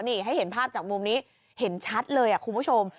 นี่ให้เห็นภาพจากมุมนี้เห็นชัดเลยคุณผู้ชม